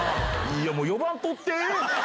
もう呼ばんとって！